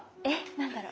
何だろう？